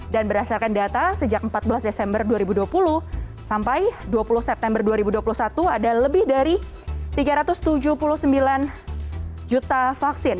dan berdasarkan data sejak empat belas desember dua ribu dua puluh sampai dua puluh september dua ribu dua puluh satu ada lebih dari tiga ratus tujuh puluh sembilan juta vaksin